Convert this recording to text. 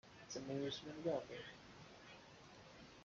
It's amusement value.